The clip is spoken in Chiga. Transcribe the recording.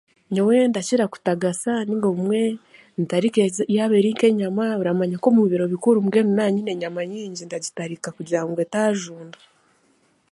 Nyowe ndakira kutagasa nainga obumwe ntarike yaaba eri nk'enyama, oramanya nk'omu biro bikuru naaba nyine enyama nyingi ndagitarika kugira ngu etaajunda.